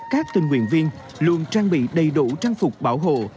các tình nguyện viên luôn trang bị đầy đủ trang phục bảo hộ